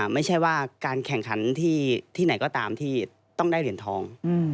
ไม่ใช่ว่าการแข่งขันที่ไหนก็ตามที่ต้องได้เหรียญทอง